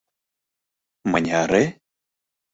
— Мыняре?..